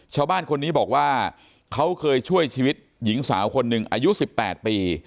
ชาวบ้านคนนี้บอกว่าเขาเคยช่วยชีวิตหญิงสาวคนหนึ่งอายุ๑๘ปี